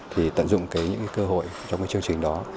thì tận dụng những cơ hội trong chương trình đó